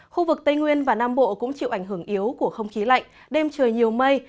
khu vực tây nguyên và nam bộ cũng chịu ảnh hưởng yếu của không khí lạnh đêm trời nhiều mây